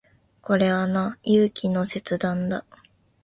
これはな、勇気の切断だ。